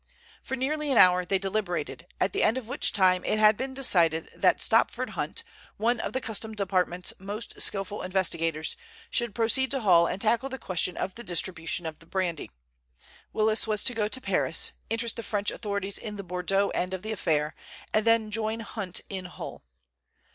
For nearly an hour they deliberated, at the end of which time it had been decided that Stopford Hunt, one of the Customs Department's most skillful investigators, should proceed to Hull and tackle the question of the distribution of the brandy. Willis was to go to Paris, interest the French authorities in the Bordeaux end of the affair, and then join Hunt in Hull.